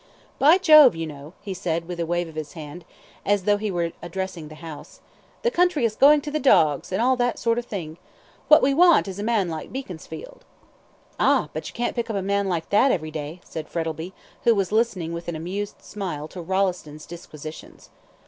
"By Jove, you know," he said, with a wave of his hand, as though he were addressing the House; "the country is going to the dogs, and all that sort of thing. What we want is a man like Beaconsfield." "Ah! but you can't pick up a man like that every day," said Frettlby, who was listening with an amused smile to Rolleston's disquisitions.